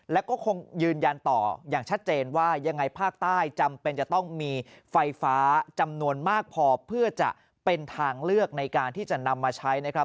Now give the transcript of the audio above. แล้วก็คงยืนยันต่ออย่างชัดเจนว่ายังไงภาคใต้จำเป็นจะต้องมีไฟฟ้าจำนวนมากพอเพื่อจะเป็นทางเลือกในการที่จะนำมาใช้นะครับ